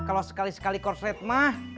kalau sekali sekali korslet mah